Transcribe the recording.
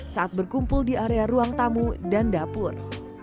saat berkumpul di area ruang tamu dan dapur